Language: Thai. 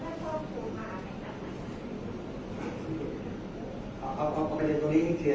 แต่ว่าไม่มีปรากฏว่าถ้าเกิดคนให้ยาที่๓๑